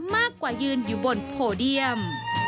มากกว่ายืนอยู่บนโพเดียม